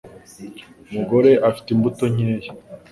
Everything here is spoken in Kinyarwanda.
Umugore afite imbuto nkeya.